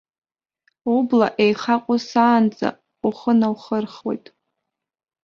Убла еихаҟәысаанӡа ухы наухырхуеит.